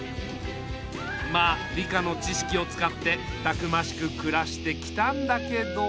まあ理科の知識を使ってたくましくくらしてきたんだけど。